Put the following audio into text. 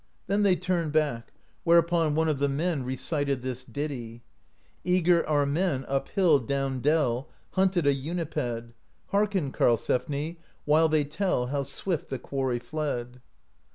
Then they turned back; whereupon one of the men recited this ditty : Eager, our men, up hill, down dell. Hunted a Uniped; Hearken, Karlsefni, while they tell How swift the quarry fled!